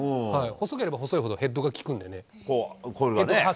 細ければ細いほどヘッドがきくんでね。